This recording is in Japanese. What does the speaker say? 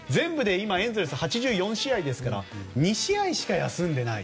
エンゼルスは全部で、今８４試合ですから２試合しか休んでいない。